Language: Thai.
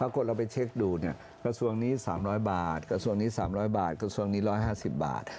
คนเราไปเช็คดูเนี่ยกระทรวงนี้๓๐๐บาทกระทรวงนี้๓๐๐บาทกระทรวงนี้๑๕๐บาท